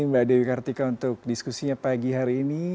mbak dewi kartika untuk diskusinya pagi hari ini